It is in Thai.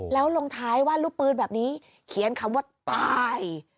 แล้วลงท้ายว่าลูกปืนแบบนี้เขียนคำว่าตาย